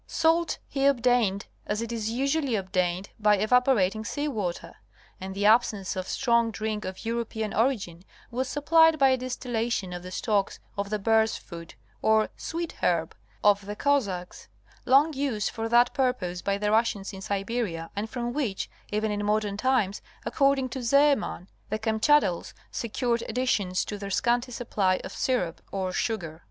Salt he obtained as it is usually obtained by evaporating sea water, and the absence of strong drink of European origin was supplied by a distillation of the stalks of the bear's foot or '¢sweet herb" of the Cossacks (Heraclewm dulce Kittlitz), long used for that purpose by the Russians in Siberia and from which, even in modern times, according to Seemann, the Kamchadales secured addi tions to their scanty supply of syrup or sugar.